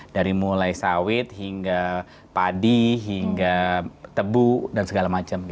dari mulai sawit hingga padi hingga tebu dan segala macam